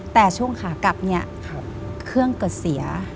แต่ช่วงขากลับเนี่ยเครื่องเกิดเสีย